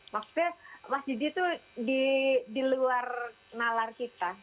maksudnya mas didi tuh di luar nalar kita